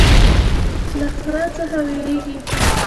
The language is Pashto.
له ښرا څخه ویریږي.